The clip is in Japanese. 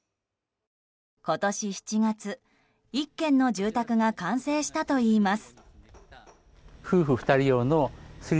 今年７月、１軒の住宅が完成したといいます。